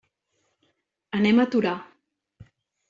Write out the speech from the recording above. Anem a Torà.